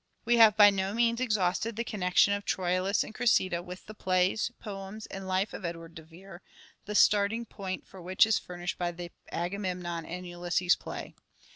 We have by no means exhausted the connection of " Troilus and Cressida " with the plays, poems and life of Edward de Vere, the starting point for which is furnished by the " Agamemnon and Ulysses " play.